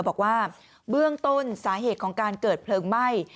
บอกว่าเบื้องต้นสาเหตุของการเกิดคว่าม่าย